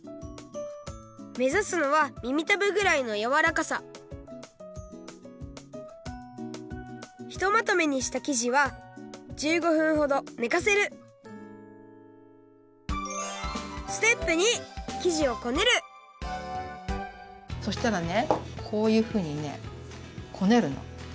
めざすのはみみたぶぐらいのやわらかさひとまとめにした生地は１５分ほどねかせるそしたらねこういうふうにねこねるの。